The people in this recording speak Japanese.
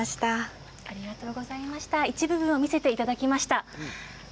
一部分を見せていただきました。